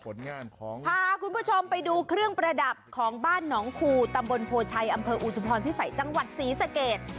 พาคุณผู้ชมไปดูเครื่องประดับของบ้านหนองคูตำบลโพชัยอำเภออุทุพรพิสัยจังหวัดศรีสะเกด